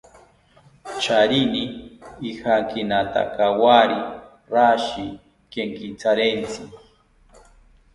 Charini ijankinatakawori rashi kenkitharentzi